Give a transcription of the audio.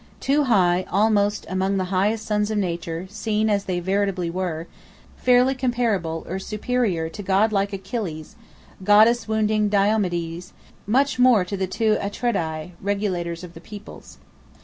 Two high, almost among the highest sons of Nature, seen as they veritably were; fairly comparable or superior to god like Achilleus, goddess wounding Diomedes, much more to the two Atreidai, Regulators of the Peoples.